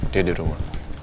dia di rumah